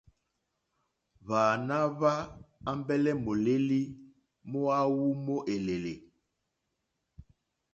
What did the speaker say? Hwàana hwa ambɛlɛ mòlèli mo awu mo èlèlè.